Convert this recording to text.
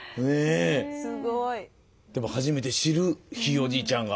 でも初めて知るひいおじいちゃんが。